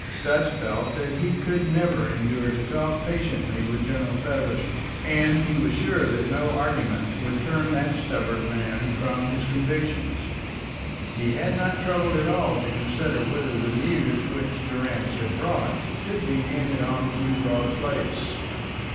Sutch felt that he could never endure to talk patiently with General Feversham, and he was sure that no argument would turn that stubborn man from his convictions. He had not troubled at all to consider whether the news which Durrance had brought should be handed on to Broad Place.